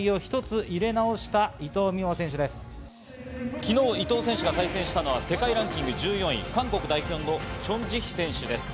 昨日、伊藤選手が対戦したのは世界ランキング１４位、韓国代表のチョン・ジヒ選手です。